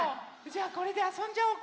じゃあこれであそんじゃおう。